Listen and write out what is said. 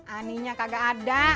aninya kagak ada